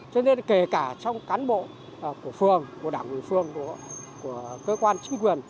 cho nên kể cả trong cán bộ của phường của đảng ủy phường của cơ quan chính quyền